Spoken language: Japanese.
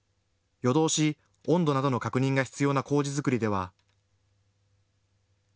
夜通し、温度などの確認が必要なこうじ造りでは。